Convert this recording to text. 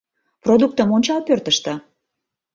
Продуктым ончал пӧртыштӧ...